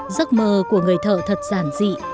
giấc mơ của người thợ thật giản dị